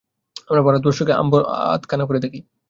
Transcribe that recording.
আমরা ভারতবর্ষকে আধখানা করে দেখি।